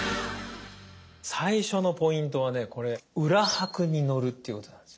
最初のポイントはねこれ裏拍に乗るっていうことなんです。